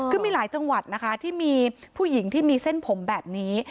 คือมีหลายจังหวัดนะคะที่มีผู้หญิงที่มีเส้นผมแบบนี้